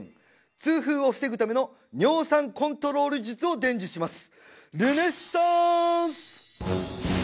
痛風を防ぐための尿酸コントロール術を伝授します